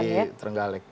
sebagai bupati trenggaleg